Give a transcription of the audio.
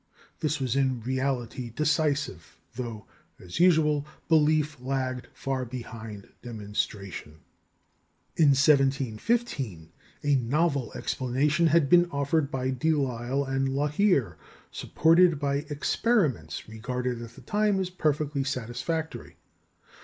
This was in reality decisive, though, as usual, belief lagged far behind demonstration. In 1715 a novel explanation had been offered by Delisle and Lahire, supported by experiments regarded at the time as perfectly satisfactory.